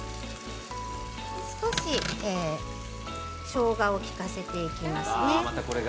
少ししょうがを利かせていきますね。